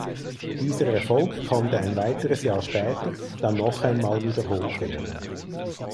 Dieser Erfolg konnte ein weiteres Jahr später dann noch einmal wiederholt werden.